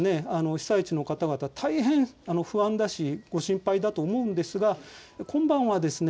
被災地の方々、大変不安だしご心配だと思うんですが今晩はですね